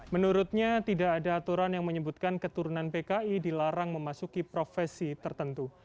menurutnya tidak ada aturan yang menyebutkan keturunan pki dilarang memasuki profesi tertentu